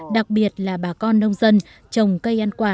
đặc biệt là bà con nhân dân